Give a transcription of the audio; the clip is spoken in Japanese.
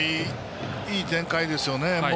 いい展開ですよね。